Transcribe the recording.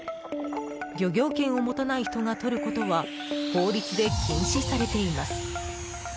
漁業権を持たない人がとることは法律で禁止されています。